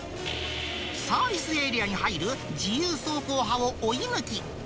サービスエリアに入る自由走行派を追い抜き。